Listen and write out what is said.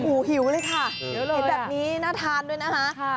โอ้โหหิวเลยค่ะเห็นแบบนี้น่าทานด้วยนะคะ